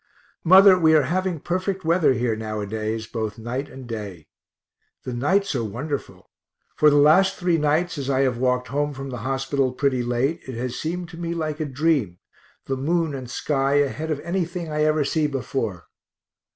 Mother, we are having perfect weather here nowadays, both night and day. The nights are wonderful; for the last three nights as I have walked home from the hospital pretty late, it has seemed to me like a dream, the moon and sky ahead of anything I ever see before.